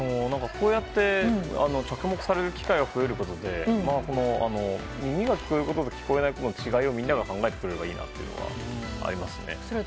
こうやって着目される機会が増えることで耳が聞こえることと聞こえないことの違いをみんなが考えてくれればいいなっていうのはありますね。